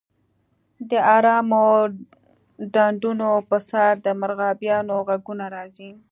د ارامو ډنډونو په سر د مرغابیانو غږونه راځي